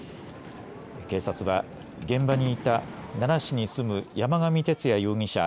警察は現場にいた奈良市に住む山上徹也容疑者